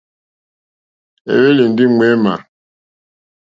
É hwélì ndí ŋmémà.